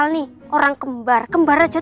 ini kalau aa